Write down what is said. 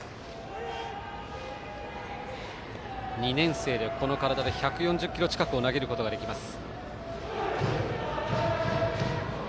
２年生でこの体で１４０キロ近く投げることができます。